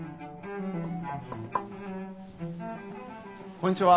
こんにちは。